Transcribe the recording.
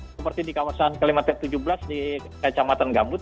seperti di kawasan kalimantan tujuh belas di kecamatan gambut